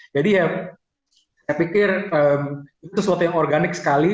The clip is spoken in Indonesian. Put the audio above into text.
jadi ya saya pikir itu sesuatu yang organik sekali